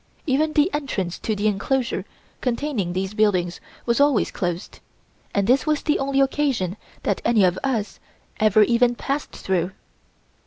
Even the entrance to the enclosure containing these buildings was always closed, and this was the only occasion that any of us ever even passed through.